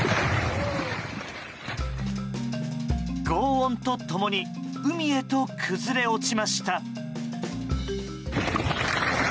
轟音と共に海へと崩れ落ちました。